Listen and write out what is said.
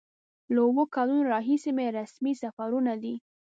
له اوو کلونو راهیسې مې رسمي سفرونه دي.